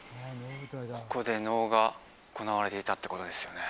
ここで能が行われていたってことですよね